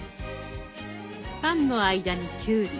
パンの間にきゅうり。